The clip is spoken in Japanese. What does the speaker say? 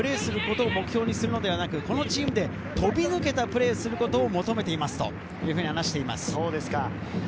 選手たちにはこのチームでプレーすることを目標にするのではなく、このチームで飛び抜けたプレーをすることを求めていますというふうに話しています。